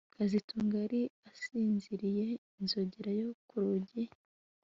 kazitunga yari asinziriye inzogera yo ku rugi